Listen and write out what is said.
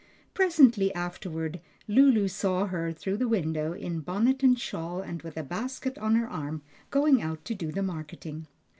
Presently afterward Lulu saw her, through the window, in bonnet and shawl and with a basket on her arm, going out to do the marketing.